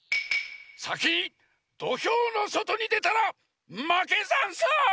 さきにどひょうのそとにでたらまけざんす！